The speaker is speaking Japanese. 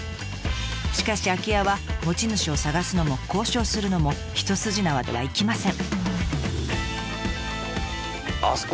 しかし空き家は持ち主を探すのも交渉するのも一筋縄ではいきません。